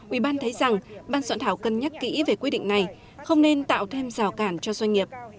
ủy ban thấy rằng ban soạn thảo cân nhắc kỹ về quy định này không nên tạo thêm rào cản cho doanh nghiệp